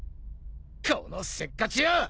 このせっかち屋！